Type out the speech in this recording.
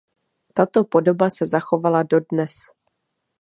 Tato podoba se zachovala dodnes.